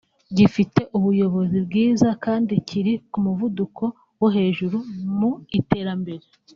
gifite ubuyobozi bwiza kandi kiri ku muvuduko wo hejuru mu iterambere